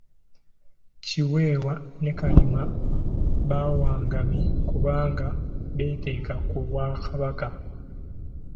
Kiweewa ne Kalema bawangami kubanga beeteeka ku Bwakabaka.